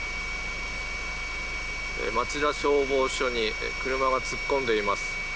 町田消防署に車が突っ込んでいます。